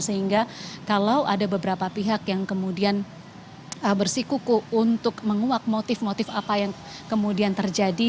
sehingga kalau ada beberapa pihak yang kemudian bersikuku untuk menguak motif motif apa yang kemudian terjadi